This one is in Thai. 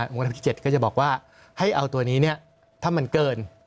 วงเล็บที่๗ก็จะบอกว่าให้เอาตัวนี้เนี่ยถ้ามันเกิน